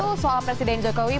itu soal presiden jokowi